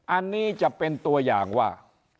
อันนี้จะเป็นตัวอย่างว่า